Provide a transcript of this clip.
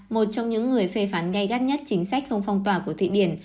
một trong những người phê phán gây gắt nhất chính sách không phong tỏa của thụy điển